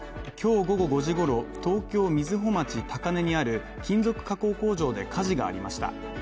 今日午後５時ごろ、東京瑞穂町高根にある金属加工工場で火事がありました。